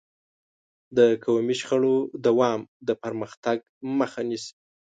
د قومي شخړو دوام د پرمختګ مخه نیسي.